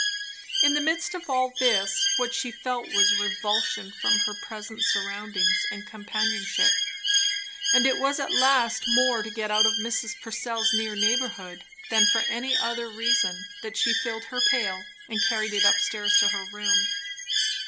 In the midst of all this what she felt was revulsion from her present surroundings and companionship; and it was at last more to get out of Mrs. Purcell's near neighbourhood than for any other reason that she filled her pail and carried it up stairs to her room.